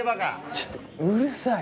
ちょっとうるさいよ。